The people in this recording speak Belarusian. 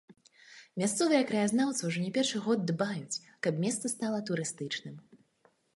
Мясцовыя краязнаўцы ўжо не першы год дбаюць, каб месца стала турыстычным.